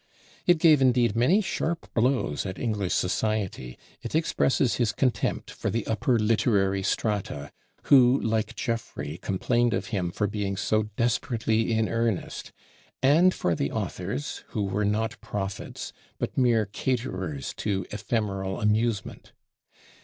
It gave indeed many sharp blows at English society: it expresses his contempt for the upper literary strata, who like Jeffrey complained of him for being so "desperately in earnest"; and for the authors, who were not "prophets," but mere caterers to ephemeral amusement.